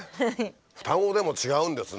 双子でも違うんですね。